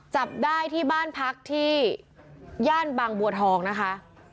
จับได้ที่บ้านพักที่ย่านบางบัวทองนะคะ